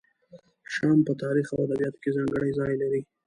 شام په تاریخ او ادبیاتو کې ځانګړی ځای لري.